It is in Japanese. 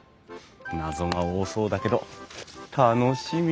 謎が多そうだけど楽しみ！